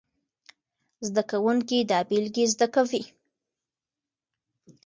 زده کوونکي دا بېلګې زده کوي.